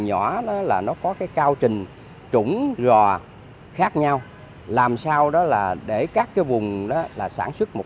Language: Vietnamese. nhỏ đó là nó có cái cao trình chủng rò khác nhau làm sao đó là để các cái vùng đó là sản xuất một